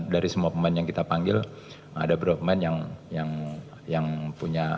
dari semua pemain yang kita panggil ada beberapa pemain yang punya masa depan buat ditimnas kita